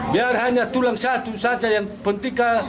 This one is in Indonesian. biar hanya tulang satu saja yang pentinga